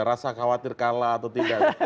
rasa khawatir kalah atau tidak